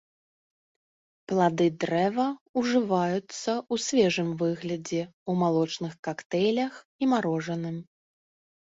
Плады дрэва ўжываюцца ў свежым выглядзе, у малочных кактэйлях і марожаным.